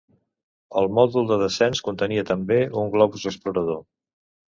El mòdul de descens contenia també un globus explorador.